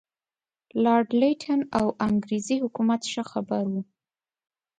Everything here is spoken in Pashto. لارډ لیټن او انګریزي حکومت ښه خبر وو.